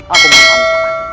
aku mau ambil teman